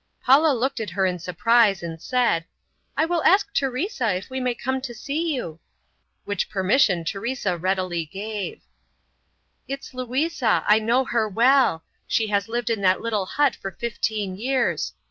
Paula looked at her in surprise, and said, "I will ask Teresa if we may come to see you." Which permission Teresa readily gave. "It's Louisa. I know her well. She has lived in that little hut for fifteen years.